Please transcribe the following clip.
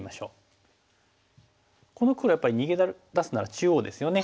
この黒やっぱり逃げ出すなら中央ですよね。